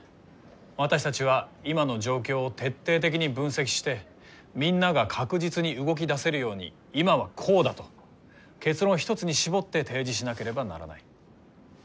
私たちは今の状況を徹底的に分析してみんなが確実に動き出せるように今はこうだと結論を一つに絞って提示しなければならない。